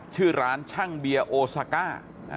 ชื่อร้านชั่งเบียโอซาคา